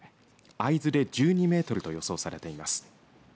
会津で１２メートルと予想されています。